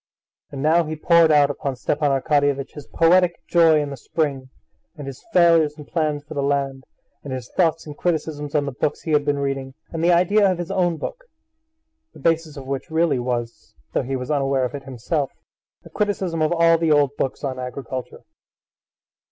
And now he poured out upon Stepan Arkadyevitch his poetic joy in the spring, and his failures and plans for the land, and his thoughts and criticisms on the books he had been reading, and the idea of his own book, the basis of which really was, though he was unaware of it himself, a criticism of all the old books on agriculture.